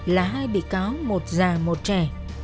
là hai bị cáo một già một trẻ